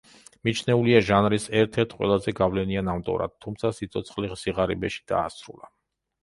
მიჩნეულია ჟანრის ერთ-ერთ ყველაზე გავლენიან ავტორად, თუმცა სიცოცხლე სიღარიბეში დაასრულა.